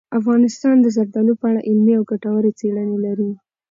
افغانستان د زردالو په اړه علمي او ګټورې څېړنې لري.